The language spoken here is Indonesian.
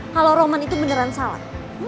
kalau roman itu beneran salah